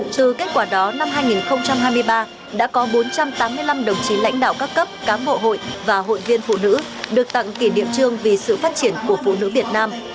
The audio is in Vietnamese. từ kết quả đó năm hai nghìn hai mươi ba đã có bốn trăm tám mươi năm đồng chí lãnh đạo các cấp cám bộ hội và hội viên phụ nữ được tặng kỷ niệm trương vì sự phát triển của phụ nữ việt nam